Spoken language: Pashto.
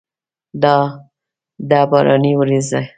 دا ده باراني ورېځه!